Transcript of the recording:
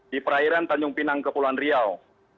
di perairan tanjung pinang kepulauan riau